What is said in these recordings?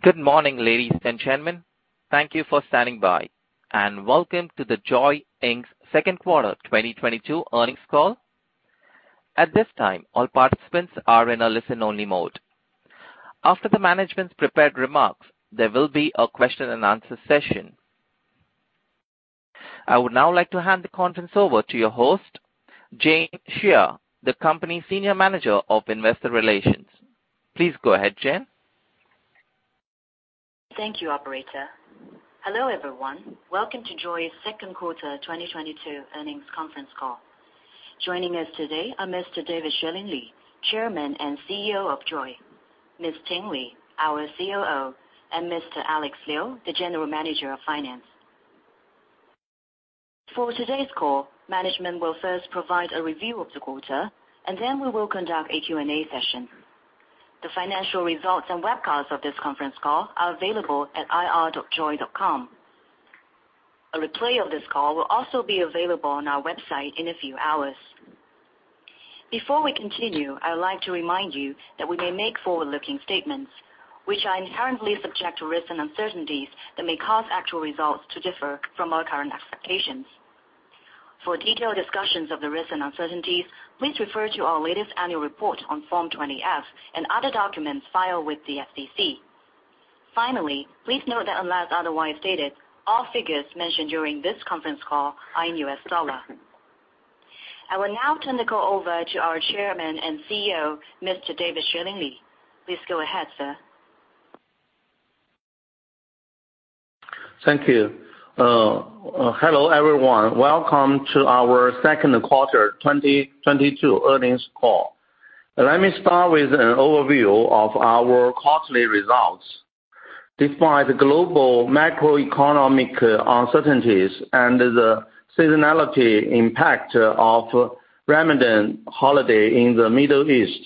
Good morning, ladies and gentlemen. Thank you for standing by, and welcome to the JOYY Inc.'s second quarter 2022 earnings call. At this time, all participants are in a listen-only mode. After the management's prepared remarks, there will be a question-and-answer session. I would now like to hand the conference over to your host, Jane Xie, the company Senior Manager of investor relations. Please go ahead, Jane. Thank you, operator. Hello, everyone. Welcome to JOYY's second quarter 2022 earnings conference call. Joining us today are Mr. David Xueling Li, Chairman and CEO of JOYY, Ms. Ting Li, our COO, and Mr. Alex Liu, the General Manager of Finance. For today's call, management will first provide a review of the quarter, and then we will conduct a Q&A session. The financial results and webcasts of this conference call are available at ir.joyy.com. A replay of this call will also be available on our website in a few hours. Before we continue, I would like to remind you that we may make forward-looking statements, which are inherently subject to risks and uncertainties that may cause actual results to differ from our current expectations. For detailed discussions of the risks and uncertainties, please refer to our latest annual report on Form 20-F and other documents filed with the SEC. Finally, please note that unless otherwise stated, all figures mentioned during this conference call are in U.S. dollar. I will now turn the call over to our Chairman and CEO, Mr. David Xueling Li. Please go ahead, sir. Thank you. Hello, everyone. Welcome to our second quarter 2022 earnings call. Let me start with an overview of our quarterly results. Despite the global macroeconomic uncertainties and the seasonality impact of Ramadan holiday in the Middle East,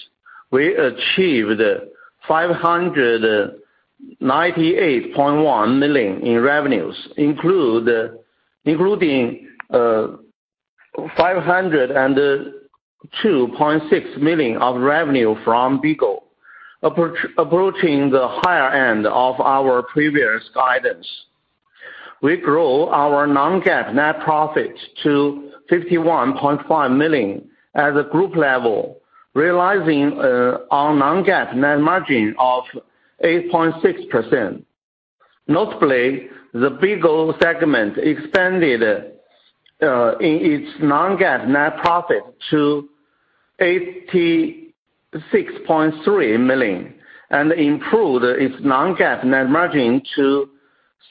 we achieved $598.1 million in revenues, including $502.6 million of revenue from Bigo, approaching the higher end of our previous guidance. We grow our non-GAAP net profit to $51.5 million at the group level, realizing our non-GAAP net margin of 8.6%. Notably, the Bigo segment expanded its non-GAAP net profit to $86.3 million and improved its non-GAAP net margin to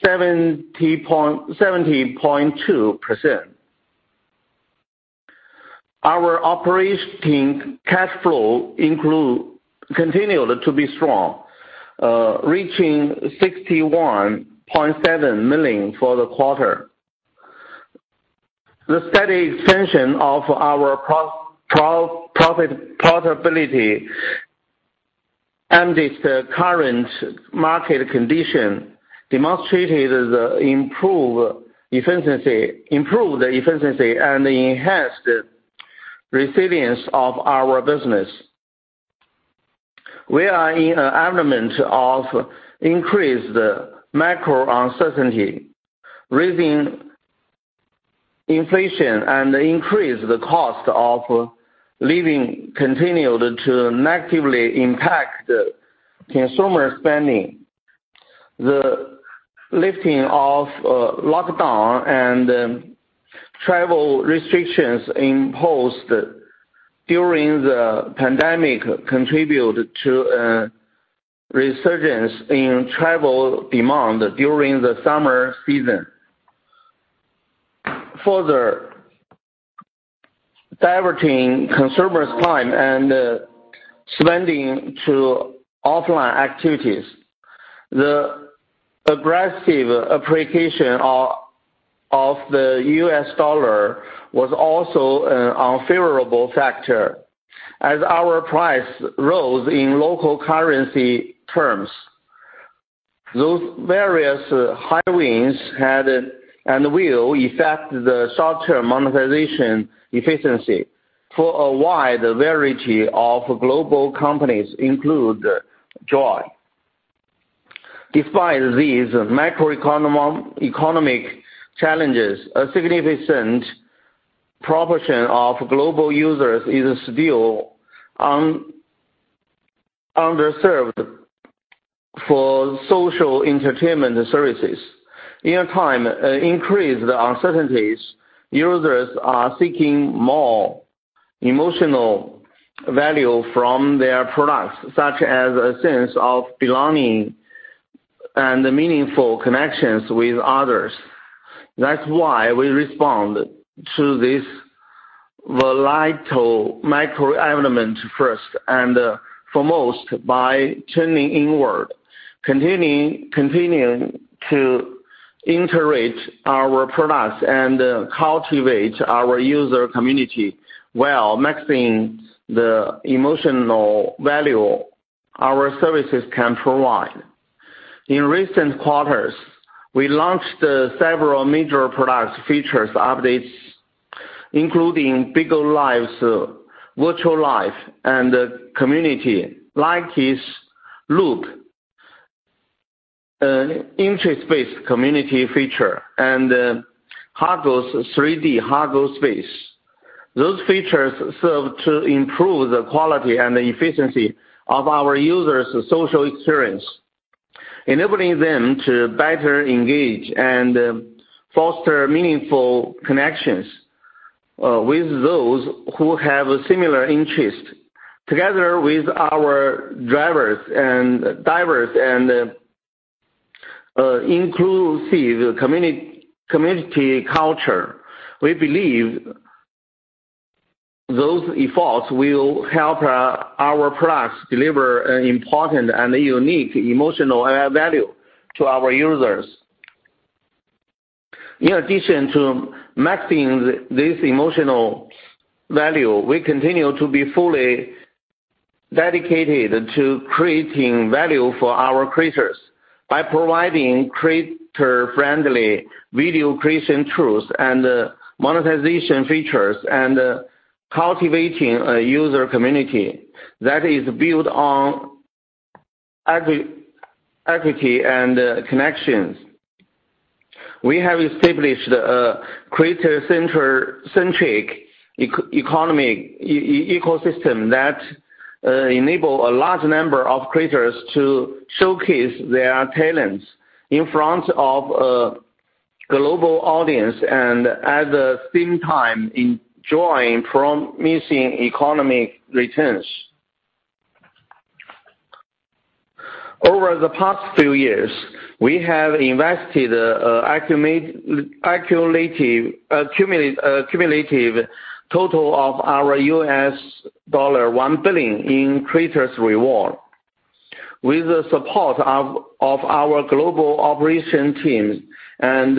70.2%. Our operating cash flow continued to be strong, reaching $61.7 million for the quarter. The steady expansion of our profit profitability amidst current market condition demonstrated the improved efficiency and enhanced resilience of our business. We are in an environment of increased macro uncertainty, rising inflation, and increased cost of living continued to negatively impact consumer spending. The lifting of lockdown and travel restrictions imposed during the pandemic contributed to a resurgence in travel demand during the summer season, further diverting consumers' time and spending to offline activities. The aggressive appreciation of the U.S. dollar was also an unfavorable factor as our price rose in local currency terms. Those various headwinds had and will affect the short-term monetization efficiency for a wide variety of global companies, including JOYY. Despite these macroeconomic challenges, a significant proportion of global users is still underserved for social entertainment services. In a time of increased uncertainties, users are seeking more emotional value from their products, such as a sense of belonging and meaningful connections with others. That's why we respond to this volatile macro environment first and foremost by turning inward, continuing to integrate our products and cultivate our user community while maximizing the emotional value our services can provide. In recent quarters, we launched several major product features, updates, including BIGO LIVE, virtual live, and Likee's Loop, an interest-based community feature, and Hago Space. Those features serve to improve the quality and efficiency of our users' social experience, enabling them to better engage and foster meaningful connections with those who have similar interests. Together with our diverse and inclusive community culture, we believe those efforts will help our products deliver an important and unique emotional value to our users. In addition to maxing this emotional value, we continue to be fully dedicated to creating value for our creators by providing creator-friendly video creation tools and monetization features and cultivating a user community that is built on equity and connections. We have established a creator-centric ecosystem that enable a large number of creators to showcase their talents in front of a global audience, and at the same time enjoying from creator economy returns. Over the past few years, we have invested an accumulative total of our $1 billion in creators reward. With the support of our global operation teams and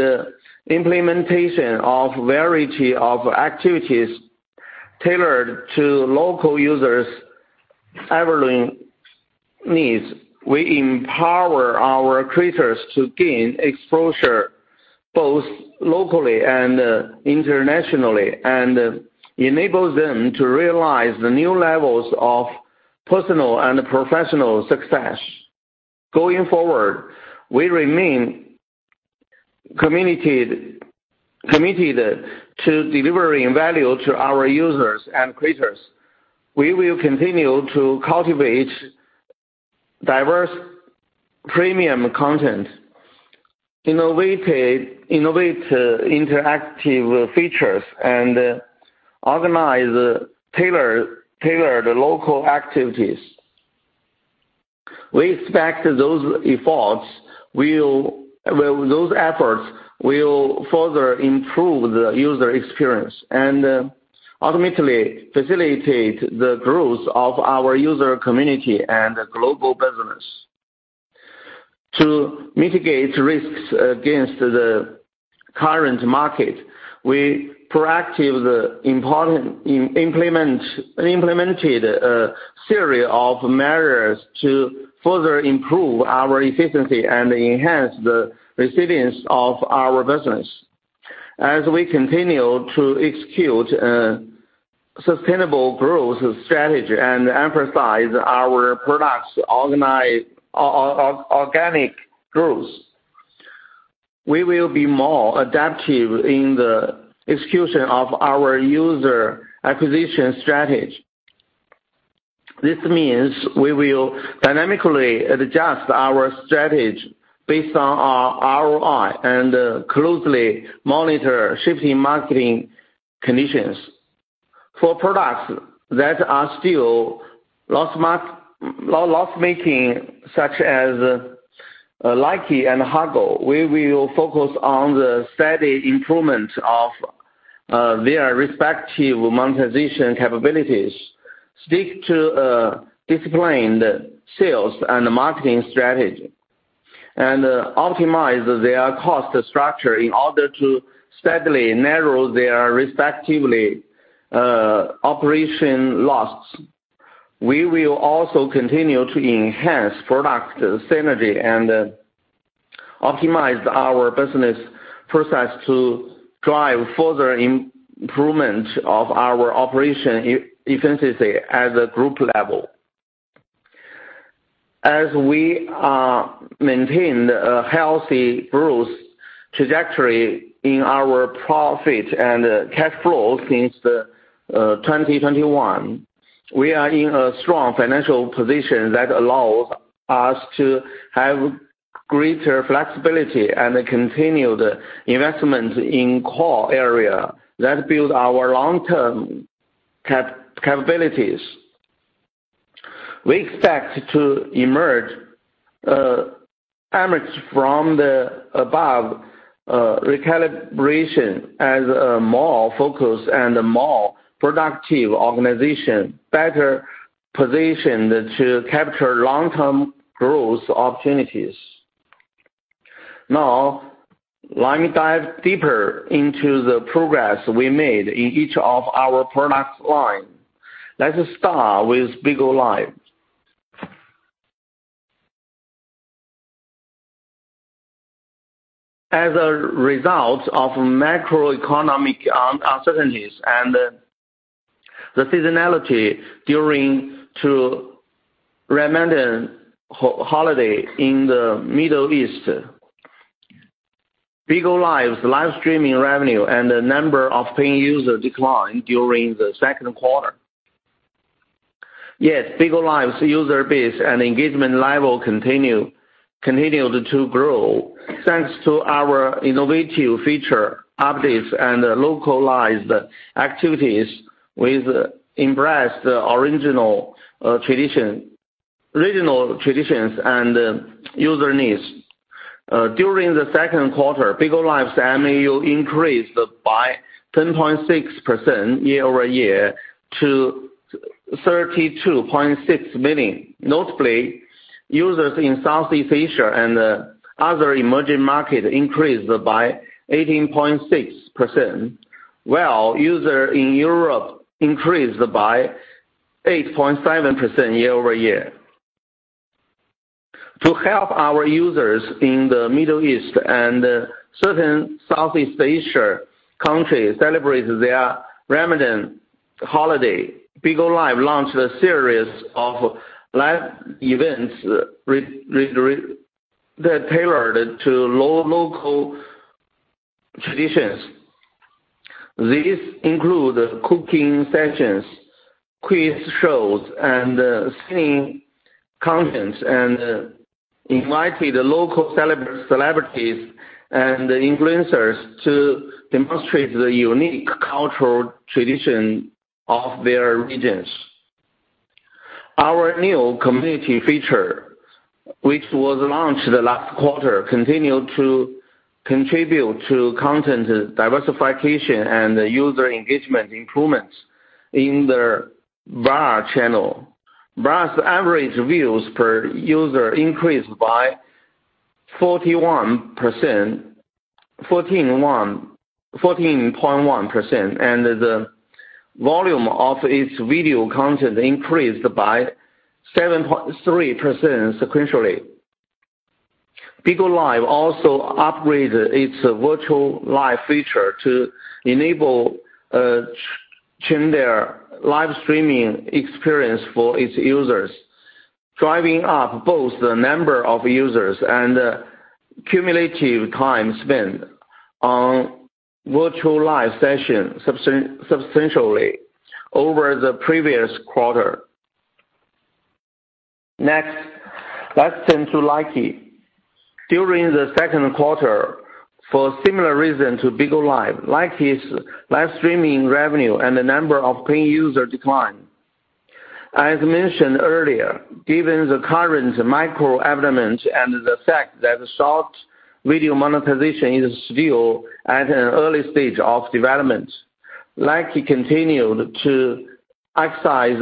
implementation of variety of activities tailored to local users' evolving needs, we empower our creators to gain exposure both locally and internationally and enable them to realize the new levels of personal and professional success. Going forward, we remain committed to delivering value to our users and creators. We will continue to cultivate diverse premium content, innovate interactive features, and organize tailored local activities. We expect those efforts will further improve the user experience, and ultimately facilitate the growth of our user community and global business. To mitigate risks against the current market, we proactively implemented a series of measures to further improve our efficiency and enhance the resilience of our business. As we continue to execute a sustainable growth strategy and emphasize our products' organic growth, we will be more adaptive in the execution of our user acquisition strategy. This means we will dynamically adjust our strategy based on our ROI and closely monitor shifting marketing conditions. For products that are still loss making, such as Likee and Hago, we will focus on the steady improvement of their respective monetization capabilities, stick to a disciplined sales and marketing strategy, and optimize their cost structure in order to steadily narrow their respective operation losses. We will also continue to enhance product synergy and optimize our business process to drive further improvement of our operation efficiency at the group level. As we have maintained a healthy growth trajectory in our profit and cash flow since 2021, we are in a strong financial position that allows us to have greater flexibility and continued investment in core areas that build our long-term capabilities. We expect to emerge from the above recalibration as a more focused and more productive organization, better positioned to capture long-term growth opportunities. Now, let me dive deeper into the progress we made in each of our product lines. Let's start with BIGO LIVE. As a result of macroeconomic uncertainties and the seasonality due to Ramadan holiday in the Middle East, BIGO LIVE's live streaming revenue and the number of paying user declined during the second quarter. Yet BIGO LIVE's user base and engagement level continued to grow, thanks to our innovative feature updates and localized activities which embrace the original regional traditions and user needs. During the second quarter, BIGO LIVE's MAU increased by 10.6% year-over-year to 32.6 million. Notably, users in Southeast Asia and other emerging market increased by 18.6%, while user in Europe increased by 8.7% year-over-year. To help our users in the Middle East and certain Southeast Asia countries celebrate their Ramadan holiday, BIGO LIVE launched a series of live events that tailored to local traditions. These include cooking sessions, quiz shows and singing contests, and invited local celebrities and influencers to demonstrate the unique cultural tradition of their regions. Our new community feature, which was launched the last quarter, continued to contribute to content diversification and user engagement improvements in the BAR channel. BAR's average views per user increased by 41%, 14.1%, and the volume of its video content increased by 7.3% sequentially. BIGO LIVE also upgraded its virtual live feature to enable a change to their live streaming experience for its users, driving up both the number of users and cumulative time spent on virtual live sessions substantially over the previous quarter. Next, let's turn to Likee. During the second quarter, for similar reasons to BIGO LIVE, Likee's live streaming revenue and the number of paying user declined. As mentioned earlier, given the current macro environment and the fact that short video monetization is still at an early stage of development, Likee continued to exercise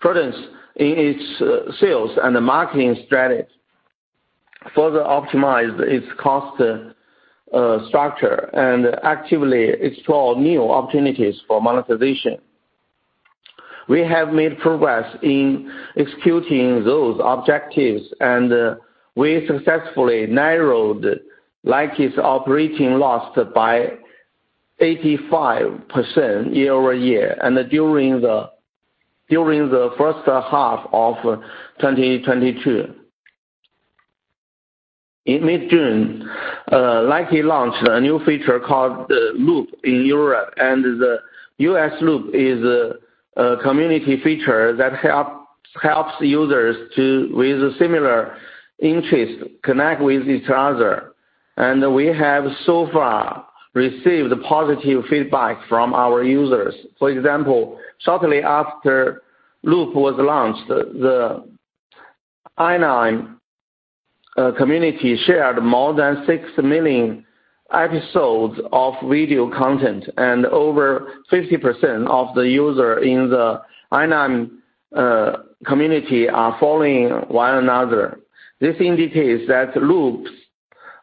prudence in its sales and marketing strategies, further optimize its cost structure, and actively explore new opportunities for monetization. We have made progress in executing those objectives, and we successfully narrowed Likee's operating loss by 85% year-over-year and during the first half of 2022. In mid-June, Likee launched a new feature called Loops in Europe, and the US Loops is a community feature that helps users with similar interests connect with each other. We have so far received positive feedback from our users. For example, shortly after Loop was launched, the anime community shared more than 6 million episodes of video content and over 50% of the user in the anime community are following one another. This indicates that Loops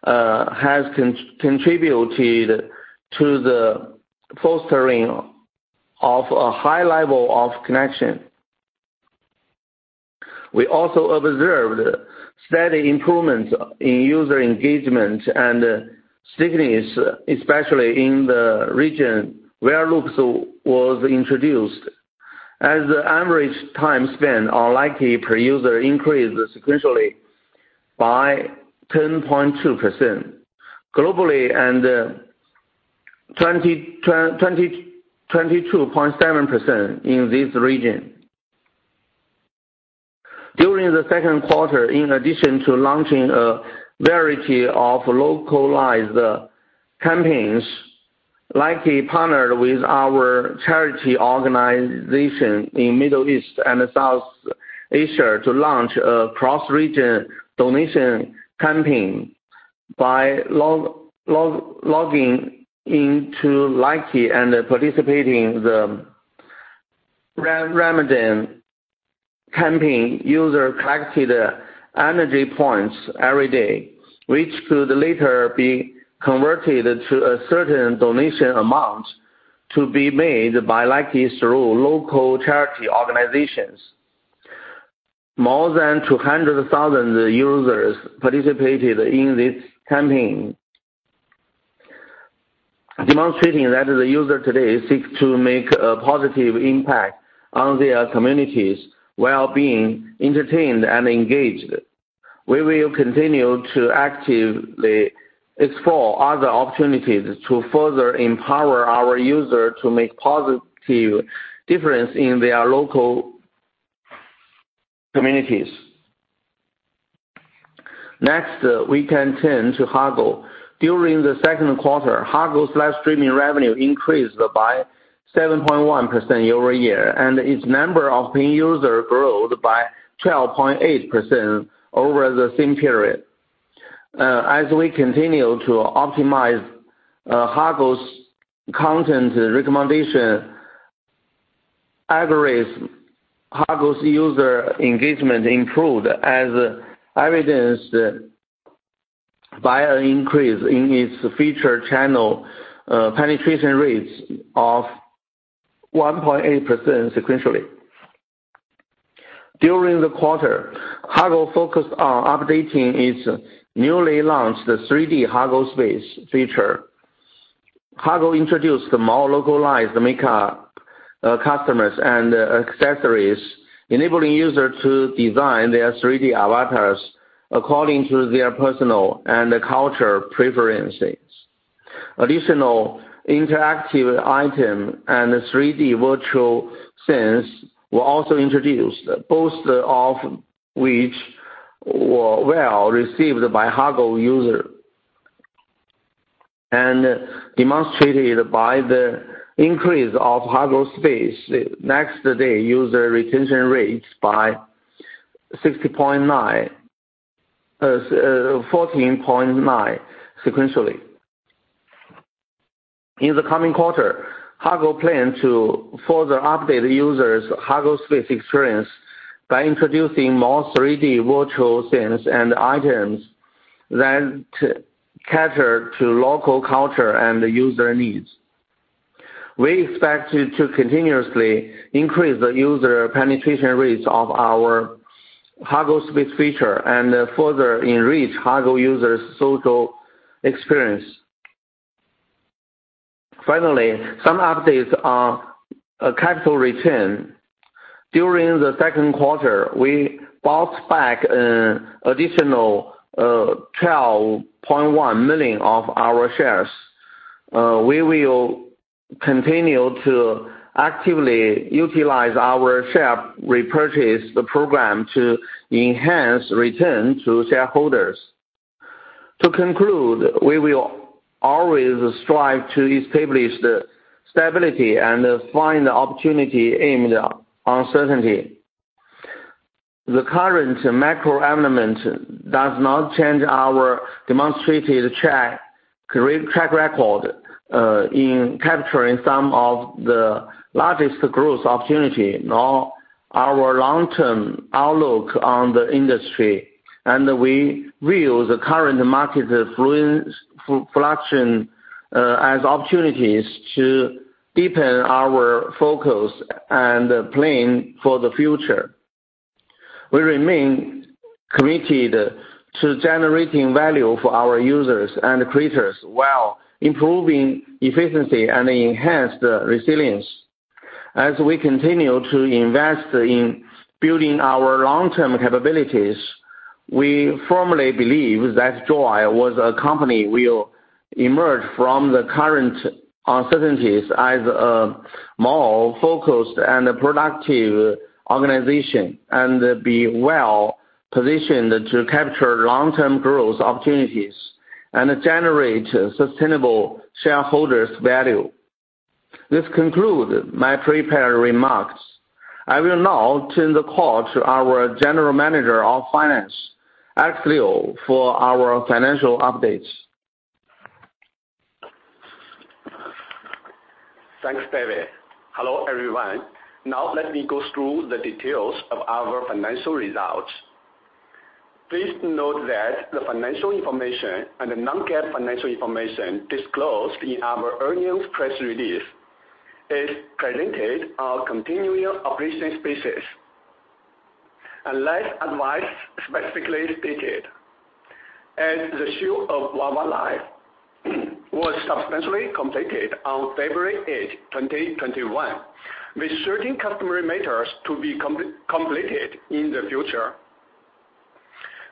has contributed to the fostering of a high level of connection. We also observed steady improvements in user engagement and stickiness, especially in the region where Loops was introduced, as the average time spent on Likee per user increased sequentially by 10.2% globally and 22.7% in this region. During the second quarter, in addition to launching a variety of localized campaigns, Likee partnered with our charity organization in Middle East and South Asia to launch a cross-region donation campaign. By logging into Likee and participating in the Ramadan campaign, users collected energy points every day, which could later be converted to a certain donation amount to be made by Likee through local charity organizations. More than 200,000 users participated in this campaign, demonstrating that the user today seeks to make a positive impact on their communities while being entertained and engaged. We will continue to actively explore other opportunities to further empower our user to make positive difference in their local communities. Next, we can turn to Hago. During the second quarter, Hago's live streaming revenue increased by 7.1% year-over-year, and its number of paying user growth by 12.8% over the same period. As we continue to optimize Hago's content recommendation algorithms, Hago's user engagement improved as evidenced by an increase in its featured channel penetration rates of 1.8% sequentially. During the quarter, Hago focused on updating its newly launched 3D Hago Space feature. Hago introduced the more localized makeup, costumes and accessories, enabling users to design their 3D avatars according to their personal and cultural preferences. Additional interactive item and 3D virtual scenes were also introduced, both of which were well received by Hago users. Demonstrated by the increase of Hago Space next day user retention rates by 14.9% sequentially. In the coming quarter, Hago plan to further update users' Hago Space experience by introducing more 3D virtual scenes and items that cater to local culture and user needs. We expect to continuously increase the user penetration rates of our Hago Space feature and further enrich Hago users' social experience. Finally, some updates on capital return. During the second quarter, we bought back an additional 12.1 million of our shares. We will continue to actively utilize our share repurchase program to enhance return to shareholders. To conclude, we will always strive to establish the stability and find opportunity in the uncertainty. The current macro environment does not change our demonstrated track record in capturing some of the largest growth opportunity nor our long-term outlook on the industry. We view the current market fluctuation as opportunities to deepen our focus and plan for the future. We remain committed to generating value for our users and creators while improving efficiency and enhance the resilience. As we continue to invest in building our long-term capabilities, we firmly believe that JOYY as a company will emerge from the current uncertainties as a more focused and productive organization and be well-positioned to capture long-term growth opportunities and generate sustainable shareholder value. This concludes my prepared remarks. I will now turn the call to our General Manager of Finance, Alex Liu, for our financial updates. Thanks, David. Hello, everyone. Now let me go through the details of our financial results. Please note that the financial information and the non-GAAP financial information disclosed in our earnings press release is presented on continuing operations basis. Unless otherwise specifically stated. As the issue of YY Live was substantially completed on February 8th, 2021, with certain customary matters to be completed in the future.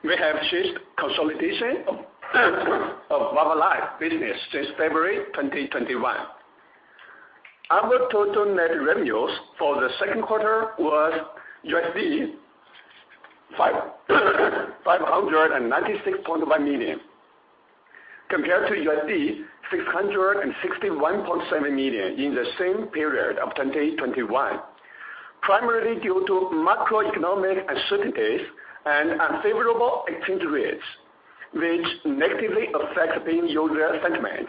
We have ceased consolidation of YY Live business since February 2021. Our total net revenues for the second quarter was $596.1 million, compared to $661.7 million in the same period of 2021. Primarily due to macroeconomic uncertainties and unfavorable exchange rates, which negatively affect paying user sentiment.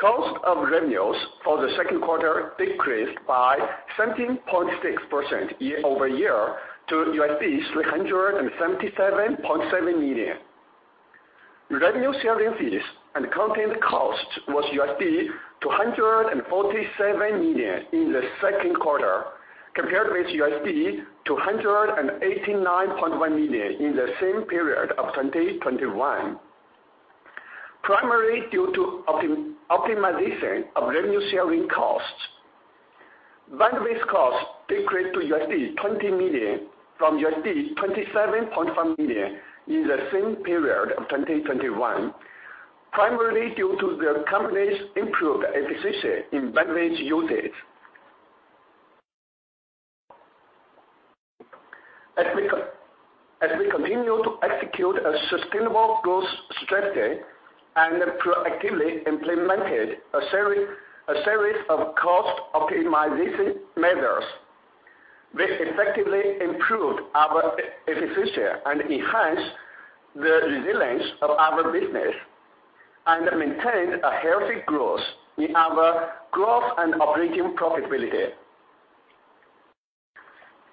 Cost of revenues for the second quarter decreased by 17.6% year-over-year to $377.7 million. The revenue sharing fees and content cost was $247 million in the second quarter compared with $289.1 million in the same period of 2021. Primarily due to optimization of revenue sharing costs. Bandwidth costs decreased to $20 million from $27.5 million in the same period of 2021, primarily due to the company's improved efficiency in bandwidth usage. As we continue to execute a sustainable growth strategy and proactively implemented a series of cost optimization measures, we effectively improved our efficiency and enhanced the resilience of our business and maintained a healthy growth in our growth and operating profitability.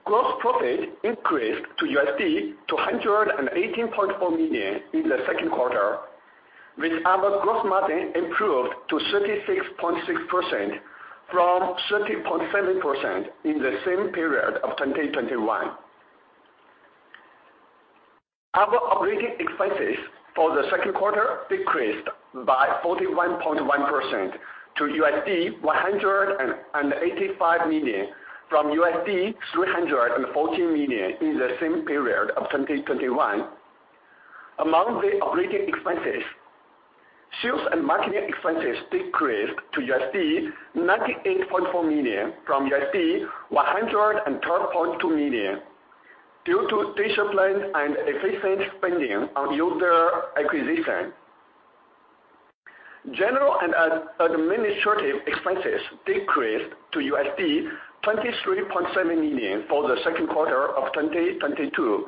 Gross profit increased to $218.4 million in the second quarter, with our gross margin improved to 36.6% from 30.7% in the same period of 2021. Our operating expenses for the second quarter decreased by 41.1% to $185 million from $314 million in the same period of 2021. Among the operating expenses, sales and marketing expenses decreased to $98.4 million from $112.2 million due to disciplined and efficient spending on user acquisition. General and administrative expenses decreased to $23.7 million for the second quarter of 2022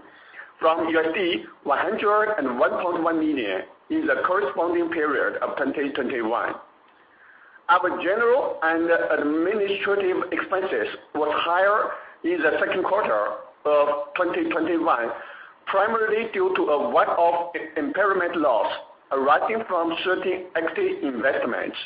from $101.1 million in the corresponding period of 2021. Our general and administrative expenses was higher in the second quarter of 2021, primarily due to a one-off impairment loss arising from certain equity investments.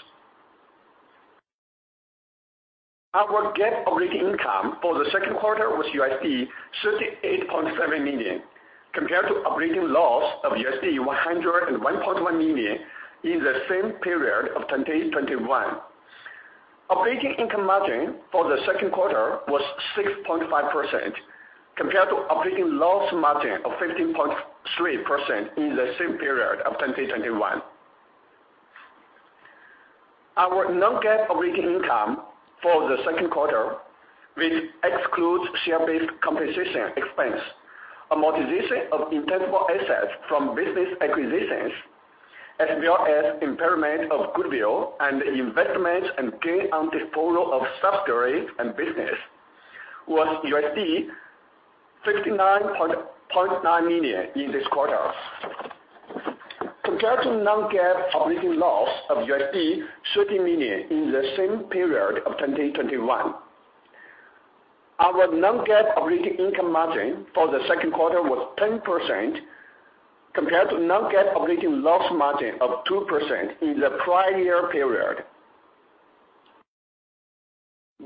Our GAAP operating income for the second quarter was $38.7 million compared to operating loss of $101.1 million in the same period of 2020. Operating income margin for the second quarter was 6.5% compared to operating loss margin of 15.3% in the same period of 2020. Our non-GAAP operating income for the second quarter, which excludes share-based compensation expense, amortization of intangible assets from business acquisitions, as well as impairment of goodwill and investment and gain on disposal of subsidiaries and business, was $59.9 million in this quarter. Compared to non-GAAP operating loss of $30 million in the same period of 2021. Our non-GAAP operating income margin for the second quarter was 10% compared to non-GAAP operating loss margin of 2% in the prior year period.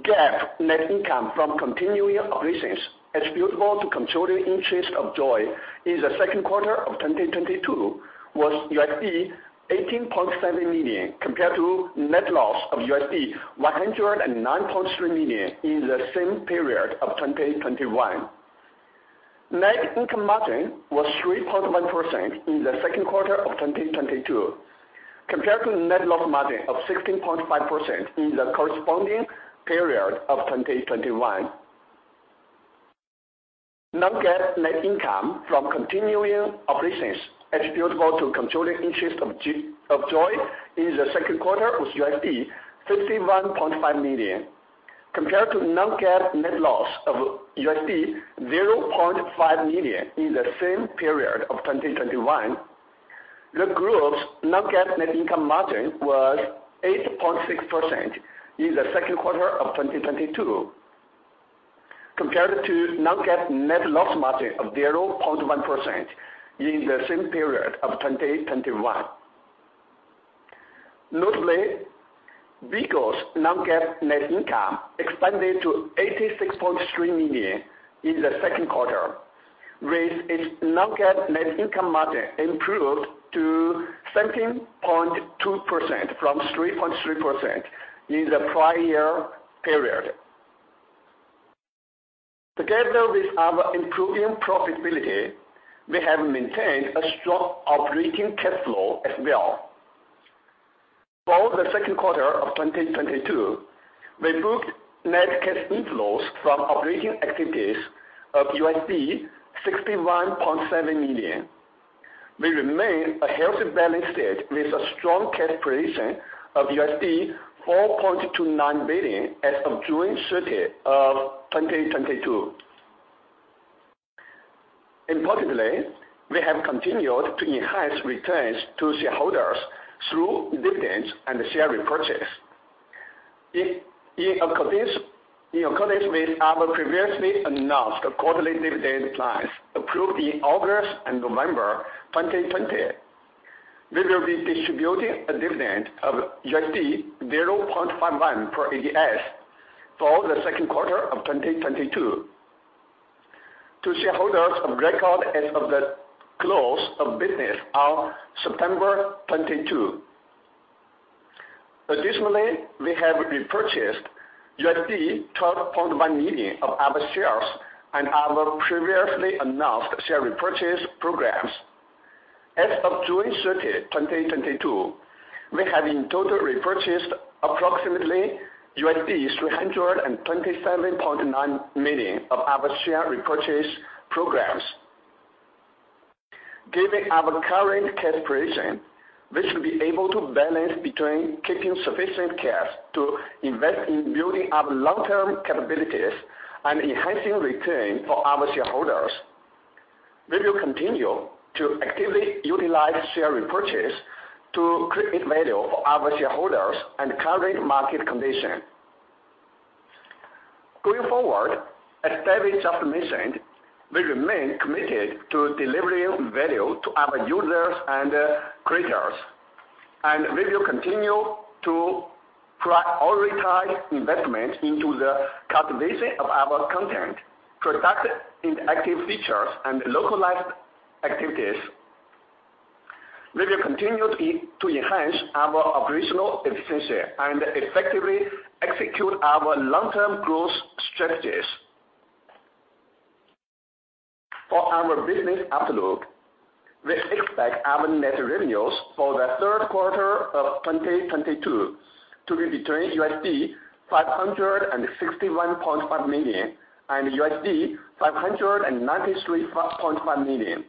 GAAP net income from continuing operations attributable to controlling interest of JOYY in the second quarter of 2022 was $18.7 million compared to net loss of $109.3 million in the same period of 2021. Net income margin was 3.1% in the second quarter of 2022 compared to net loss margin of 16.5% in the corresponding period of 2021. Non-GAAP net income from continuing operations attributable to controlling interest of JOYY Inc. in the second quarter was $51.5 million compared to non-GAAP net loss of $0.5 million in the same period of 2021. The group's non-GAAP net income margin was 8.6% in the second quarter of 2022 compared to non-GAAP net loss margin of 0.1% in the same period of 2021. Notably, Bigo's non-GAAP net income expanded to $86.3 million in the second quarter, with its non-GAAP net income margin improved to 17.2% from 3.3% in the prior year period. Together with our improving profitability, we have maintained a strong operating cash flow as well. For the second quarter of 2022, we booked net cash inflows from operating activities of $61.7 million. We remain a healthy balance sheet with a strong cash position of $4.29 billion as of June 30, 2022. Importantly, we have continued to enhance returns to shareholders through dividends and share repurchase. In accordance with our previously announced quarterly dividend plans approved in August and November 2020, we will be distributing a dividend of $0.51 per ADS for the second quarter of 2022 to shareholders of record as of the close of business on September 22. Additionally, we have repurchased $12.1 million of our shares and our previously announced share repurchase programs. As of June 30, 2022, we have in total repurchased approximately $327.9 million of our share repurchase programs. Given our current cash position, we should be able to balance between keeping sufficient cash to invest in building up long-term capabilities and enhancing return for our shareholders. We will continue to actively utilize share repurchase to create value for our shareholders in the current market condition. Going forward, as David just mentioned, we remain committed to delivering value to our users and creators, and we will continue to prioritize investment into the cultivation of our content, product interactive features, and localized activities. We will continue to enhance our operational efficiency and effectively execute our long-term growth strategies. For our business outlook, we expect our net revenues for the third quarter of 2022 to be between $561.5 million and $593.5 million.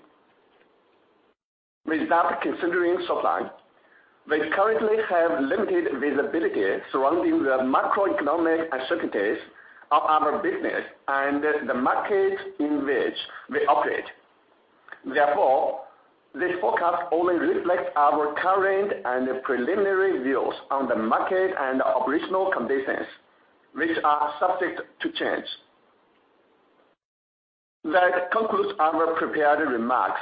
Without considering supply, we currently have limited visibility surrounding the macroeconomic uncertainties of our business and the market in which we operate. Therefore, this forecast only reflects our current and preliminary views on the market and operational conditions, which are subject to change. That concludes our prepared remarks.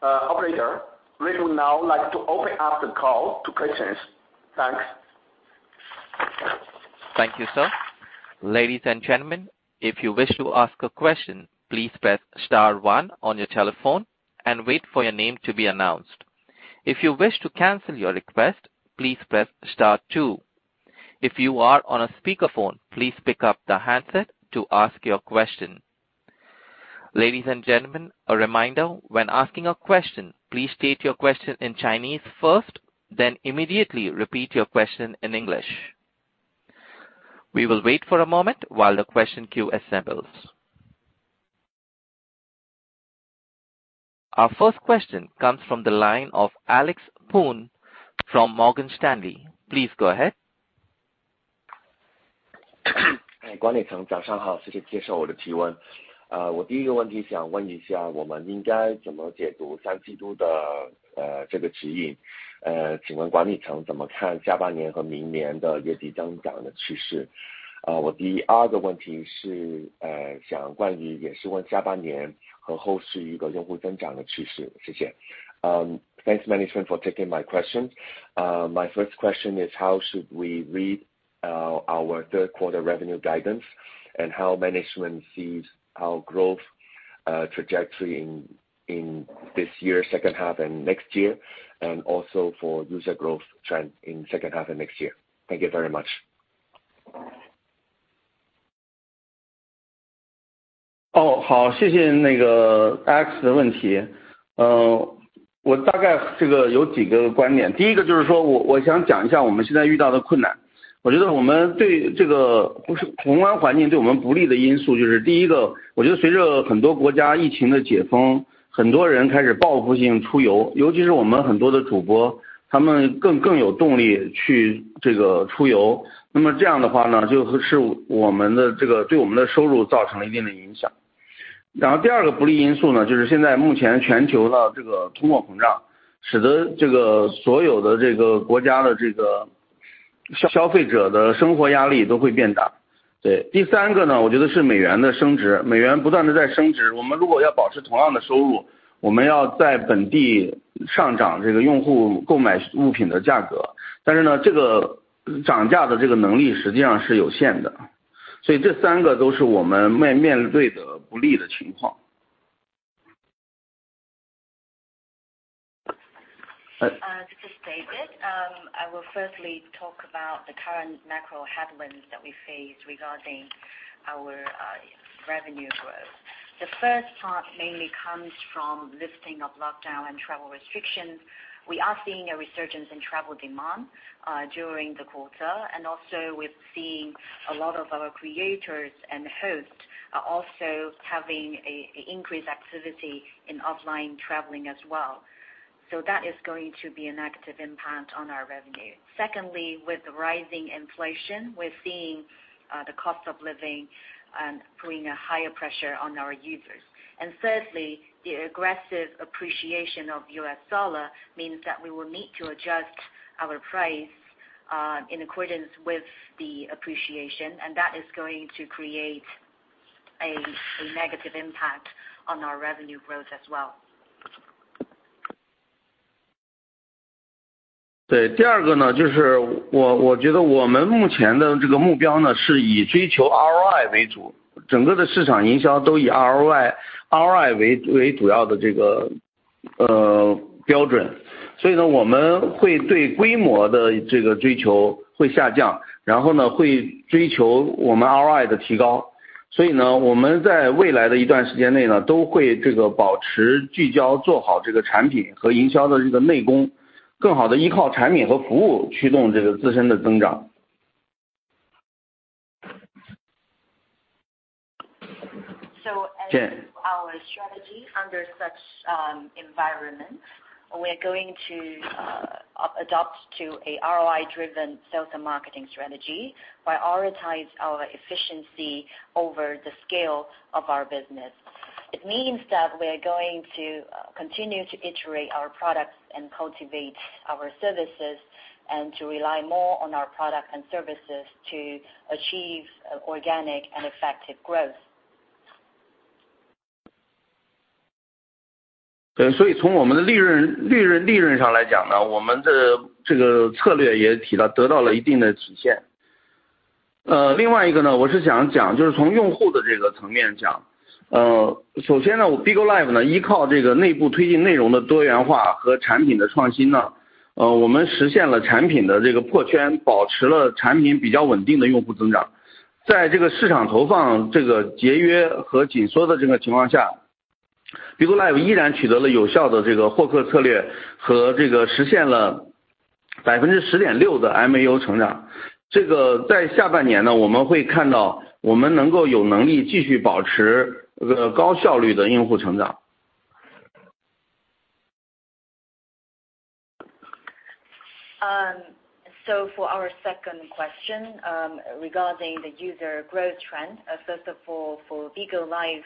Operator, we would now like to open up the call to questions. Thanks. Thank you, sir. Ladies and gentlemen, if you wish to ask a question, please press star one on your telephone and wait for your name to be announced. If you wish to cancel your request, please press star two. If you are on a speakerphone, please pick up the handset to ask your question. Ladies and gentlemen, a reminder, when asking a question, please state your question in Chinese first, then immediately repeat your question in English. We will wait for a moment while the question queue assembles. Our first question comes from the line of Alex Poon from Morgan Stanley. Please go ahead. Thanks management for taking my question. My first question is how should we read our third quarter revenue guidance? How management sees our growth trajectory in this year's second half and next year, and also for user growth trend in second half of next year. Thank you very much. This is David. I will firstly talk about the current macro headwinds that we face regarding our revenue growth. The first part mainly comes from lifting of lockdown and travel restrictions. We are seeing a resurgence in travel demand during the quarter, and also we're seeing a lot of our creators and hosts are also having increased activity in offline traveling as well. That is going to be a negative impact on our revenue. Secondly, with the rising inflation, we're seeing the cost of living putting a higher pressure on our users. Thirdly, the aggressive appreciation of U.S. dollar means that we will need to adjust our price in accordance with the appreciation, and that is going to create. A negative impact on our revenue growth as well. As our strategy under such environment, we are going to adopt a ROI-driven sales and marketing strategy prioritize our efficiency over the scale of our business. It means that we are going to continue to iterate our products and cultivate our services and to rely more on our products and services to achieve organic and effective growth. Live呢，依靠这个内部推进内容的多元化和产品的创新呢，我们实现了产品的这个破圈，保持了产品比较稳定的用户增长。在这个市场投放这个节约和紧缩的这个情况下，BIGO LIVE依然取得了有效的这个获客策略，并且实现了10.6%的MAU成长。这个在下半年呢，我们会看到我们能够有能力继续保持这个高效率的用户成长。For our second question, regarding the user growth trend, especially for BIGO LIVE,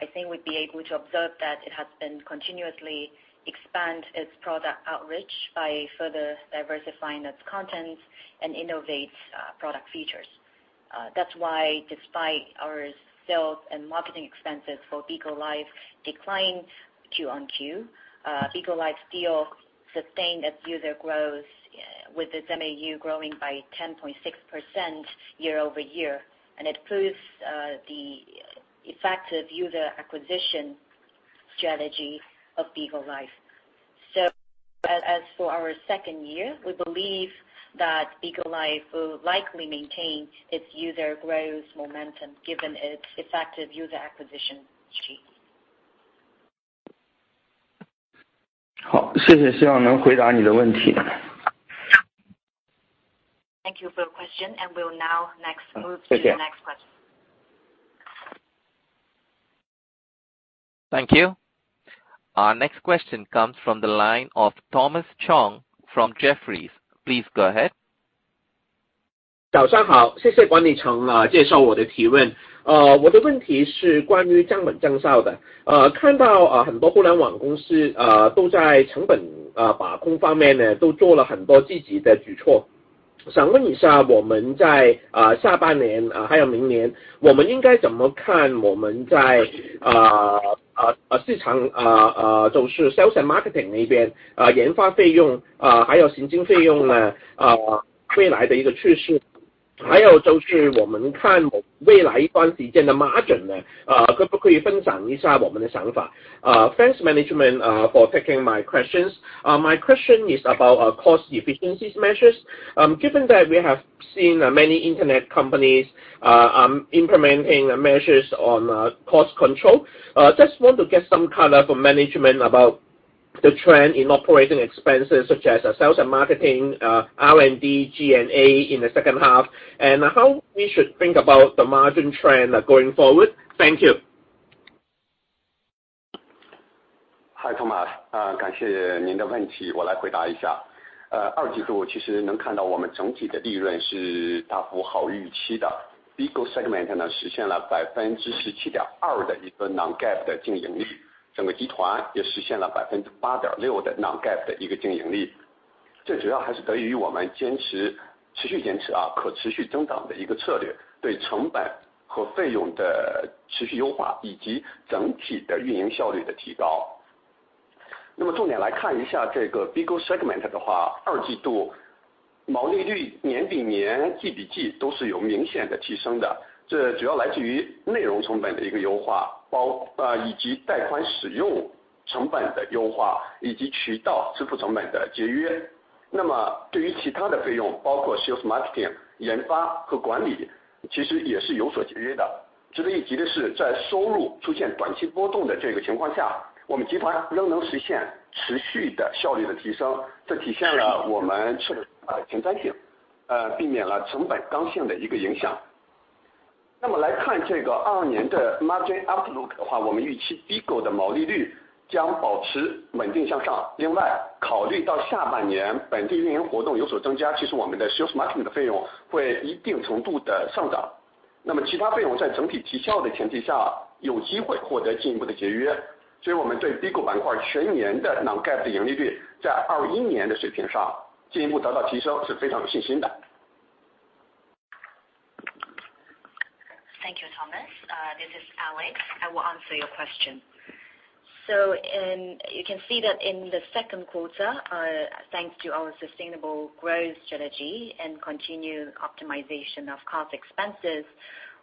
I think we'll be able to observe that it has been continuously expand its product outreach by further diversifying its content and innovate product features. That's why despite our sales and marketing expenses for BIGO LIVE declined Q-on-Q. BIGO LIVE still sustained its user growth with its MAU growing by 10.6% year-over-year, and it proves the effective user acquisition strategy of BIGO LIVE. As for our second year, we believe that BIGO LIVE will likely maintain its user growth momentum given its effective user acquisition strategy. 好，谢谢，希望能回答你的问题。Thank you for your question and will now move to the next question. Thank you. Our next question comes from the line of Thomas Chong from Jefferies. Please go ahead. Thanks management for taking my questions. My question is about our cost efficiency measures. Given that we have seen many internet companies are implementing measures on cost control, just want to get some color from management about the trend in operating expenses such as sales and marketing, R&D, G&A in the second half and how we should think about the margin trend going forward. Thank you. 嗨，Thomas，感谢您的问题，我来回答一下。二季度其实能看到我们整体的利润是大幅好于预期的。Bigo segment的话，二季度毛利率年比年、季比季都是有明显的提升的，这主要来自于内容成本的一个优化，以及带宽使用成本的优化，以及渠道支付成本的节约。那么对于其他的费用，包括sales and marketing、研发和管理，其实也是有所节约的。值得一提的是，在收入出现短期波动的这个情况下，我们集团仍能实现持续的效率的提升，这体现了我们策略的前瞻性，避免了成本刚性的一个影响。那么来看这个下半年的margin outlook的话，我们预期Bigo的毛利率将保持稳定向上。另外考虑到下半年本地运营活动有所增加，其实我们的sales and marketing的费用会一定程度的上涨，那么其他费用在整体绩效的前提下，有机会获得进一步的节约。所以我们对Bigo板块全年的non-GAAP的盈利率在2021年的水平上进一步得到提升是非常有信心的。Thank you, Thomas. This is Alex. I will answer your question. You can see that in the second quarter, thanks to our sustainable growth strategy and continued optimization of cost expenses,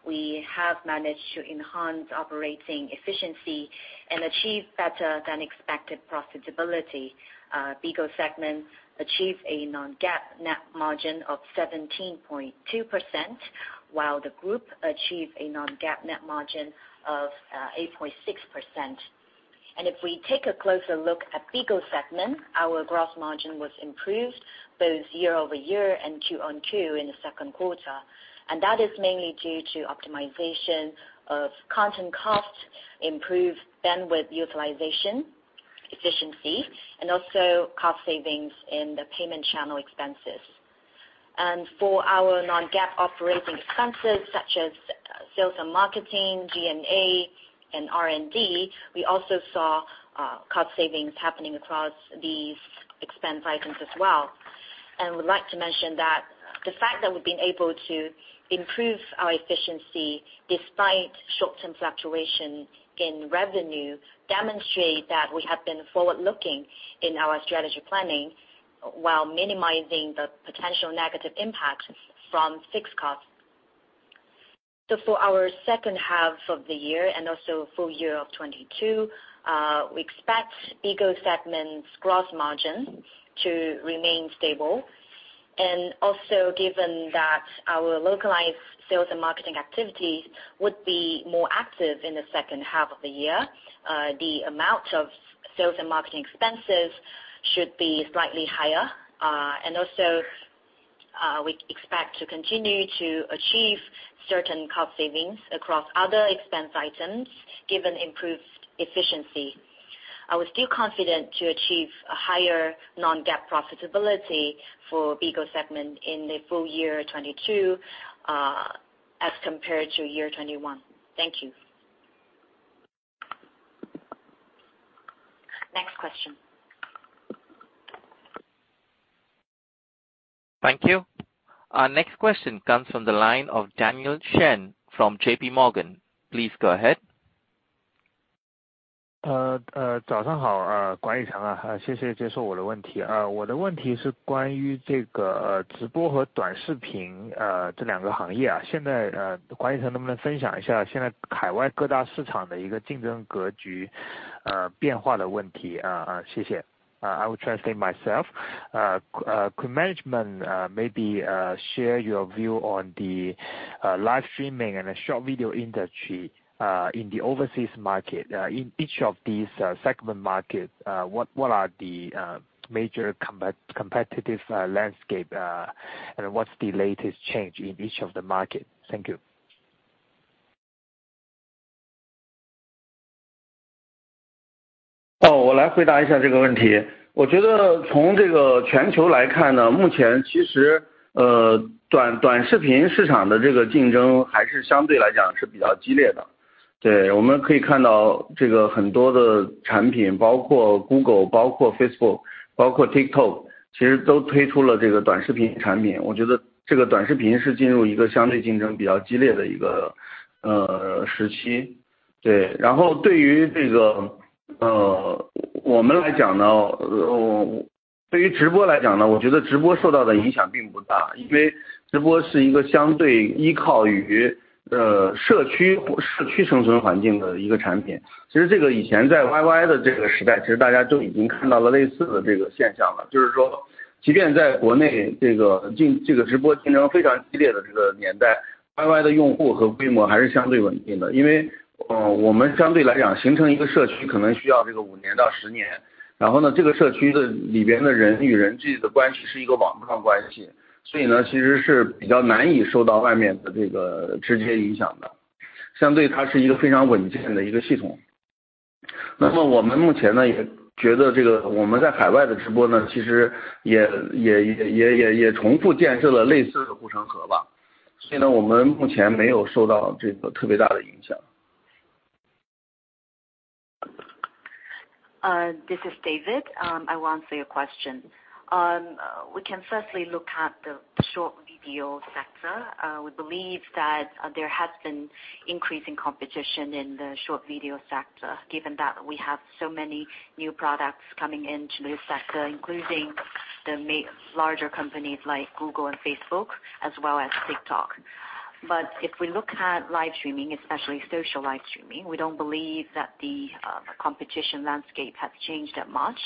we have managed to enhance operating efficiency and achieve better than expected profitability. Bigo segment achieved a non-GAAP net margin of 17.2%, while the group achieved a non-GAAP net margin of 8.6%. If we take a closer look at Bigo segment, our gross margin was improved both year-over-year and Q-on-Q in the second quarter. That is mainly due to optimization of content costs, improved bandwidth utilization efficiency, and also cost savings in the payment channel expenses. For our non-GAAP operating expenses such as sales and marketing, G&A and R&D, we also saw cost savings happening across these expense items as well. We'd like to mention that the fact that we've been able to improve our efficiency despite short-term fluctuation in revenue, demonstrate that we have been forward-looking in our strategy planning while minimizing the potential negative impacts from fixed costs. For our second half of the year and also full year of 2022, we expect BIGO segment's gross margin to remain stable. Given that our localized sales and marketing activities would be more active in the second half of the year, the amount of sales and marketing expenses should be slightly higher. We expect to continue to achieve certain cost savings across other expense items given improved efficiency. I was still confident to achieve a higher non-GAAP profitability for Bigo segment in the full year 2022, as compared to year 2021. Thank you. Next question. Thank you. Our next question comes from the line of Daniel Chen from J.P. Morgan. Please go ahead. I will translate myself. Could management maybe share your view on the live streaming and the short video industry in the overseas market? In each of these segment markets, what are the major competitive landscape and what's the latest change in each of the market? Thank you. This is David. I will answer your question. We can firstly look at the short video sector. We believe that there has been increasing competition in the short video sector, given that we have so many new products coming into this sector, including larger companies like Google and Facebook, as well as TikTok. If we look at live streaming, especially social live streaming, we don't believe that the competition landscape has changed that much.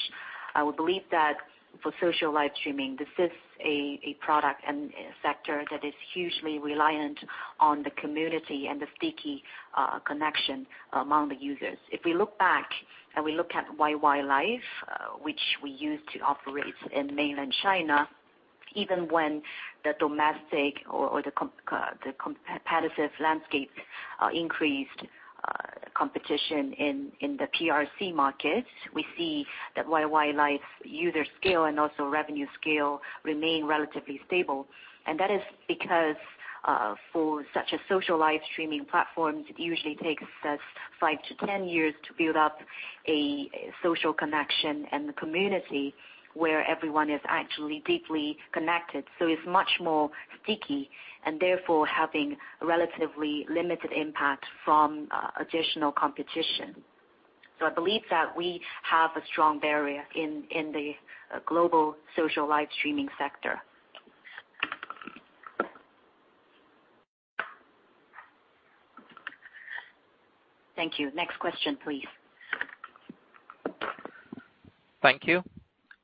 We believe that for social live streaming, this is a product and a sector that is hugely reliant on the community and the sticky connection among the users. If we look back and we look at YY Live, which we used to operate in mainland China, even when the domestic competitive landscape increased competition in the PRC market, we see that YY Live's user scale and also revenue scale remain relatively stable. That is because for such a social live streaming platforms, it usually takes us five to 10 years to build up a social connection and the community where everyone is actually deeply connected. It's much more sticky and therefore having a relatively limited impact from additional competition. I believe that we have a strong barrier in the global social live streaming sector. Thank you. Next question, please. Thank you.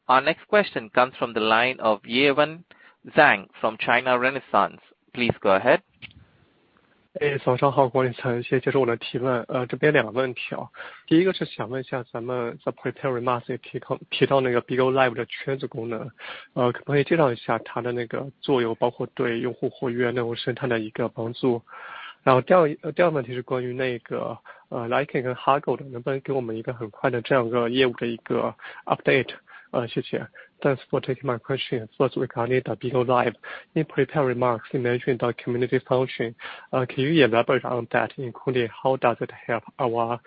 Our next question comes from the line of Yiwen Zhang from China Renaissance. Please go ahead. Hey, thanks for taking my question. First, regarding BIGO LIVE. In prepared remarks, you mentioned the community function. Can you elaborate on that, including how does it help our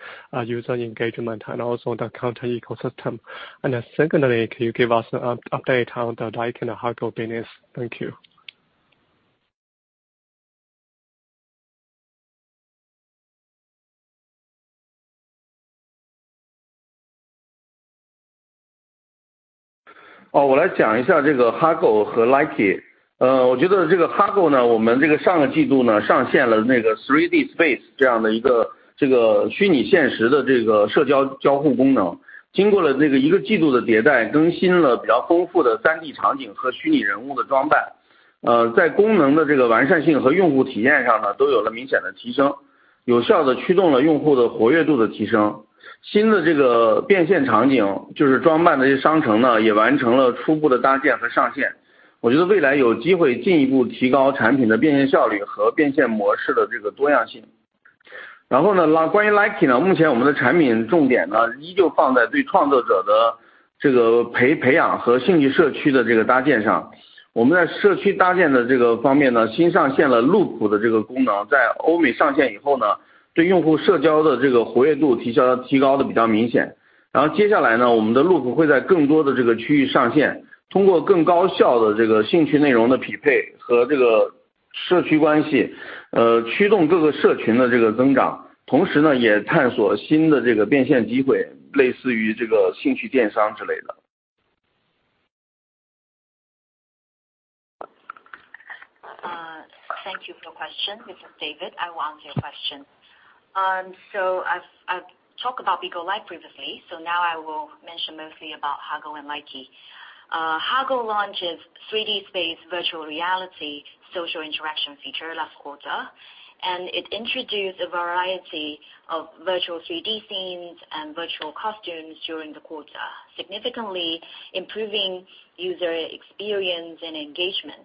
user engagement and also the content ecosystem? Secondly, can you give us an update on Likee and Hago business? Thank you. Thank you for your question. This is David. I will answer your question. I've talked about BIGO LIVE previously, so now I will mention mostly about Hago and Likee. Hago launches Hago Space virtual reality social interaction feature last quarter, and it introduced a variety of virtual 3D scenes and virtual costumes during the quarter, significantly improving user experience and engagement.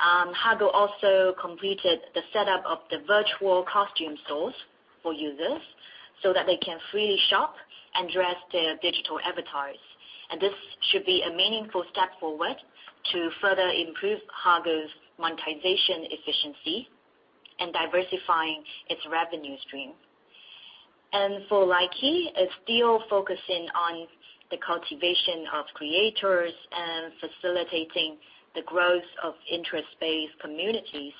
Hago also completed the setup of the virtual costume stores for users so that they can freely shop and dress their digital avatars. This should be a meaningful step forward to further improve Hago's monetization efficiency and diversifying its revenue stream. For Likee, it's still focusing on the cultivation of creators and facilitating the growth of interest-based communities.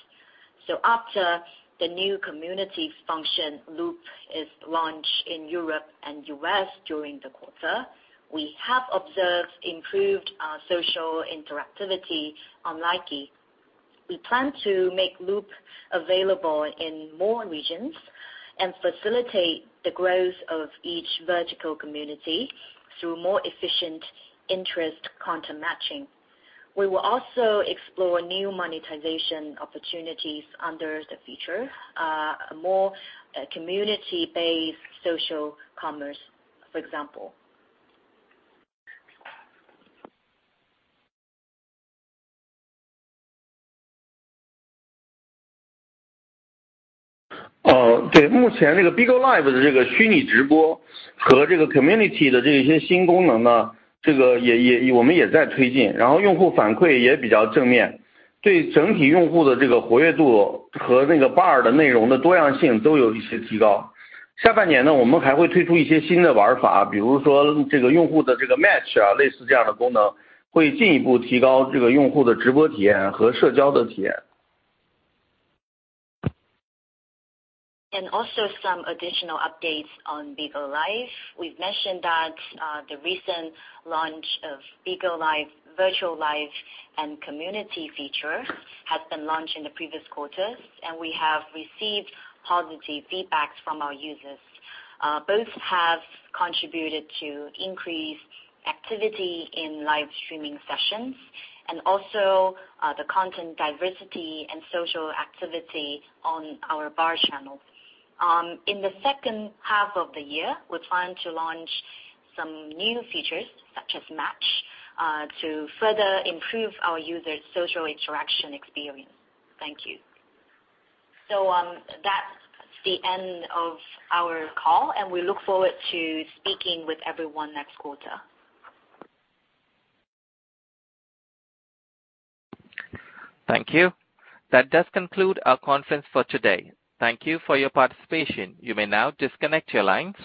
After the new community function Loop is launched in Europe and U.S. during the quarter, we have observed improved social interactivity on Likee. We plan to make Loop available in more regions and facilitate the growth of each vertical community through more efficient interest content matching. We will also explore new monetization opportunities under the feature, more community-based social commerce, for example. Oh, BIGO LIVE community. Also some additional updates on BIGO LIVE. We've mentioned that, the recent launch of BIGO LIVE, virtual live and community feature has been launched in the previous quarters, and we have received positive feedbacks from our users. Both have contributed to increased activity in live streaming sessions and also, the content diversity and social activity on our BAR channel. In the second half of the year, we plan to launch some new features such as Match, to further improve our users social interaction experience. Thank you. That's the end of our call, and we look forward to speaking with everyone next quarter. Thank you. That does conclude our conference for today. Thank you for your participation. You may now disconnect your lines.